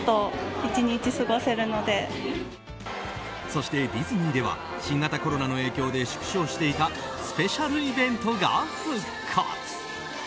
そして、ディズニーでは新型コロナの影響で縮小していたスペシャルイベントが復活。